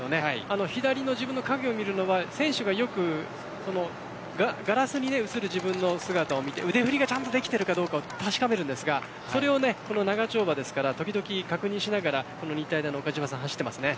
左の自分の影を見るのは選手がよくガラスに映る自分の姿を見て腕振りがちゃんとできているかを確かめるんですがそれをこの長丁場ですから時々確認しながら日体大の岡島さんは走っています。